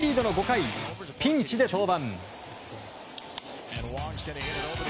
先週日曜日は１点リードの５回ピンチで登板。